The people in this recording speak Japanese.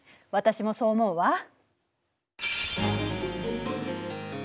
私もそう思うわ。